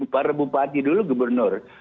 para bupati dulu gubernur